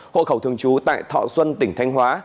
hộ khẩu thường trú tại thọ xuân tỉnh thanh hóa